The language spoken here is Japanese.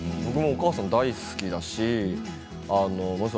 僕もお母さん大好きだし。